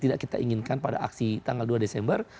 tidak kita inginkan pada aksi tanggal dua desember